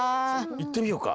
いってみようか。